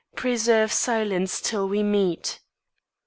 Preserve silence till we meet."